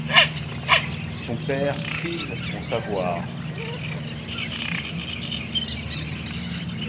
Son père prise ton savoir.